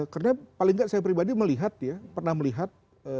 karena paling nggak saya pribadi melihat pernah melihat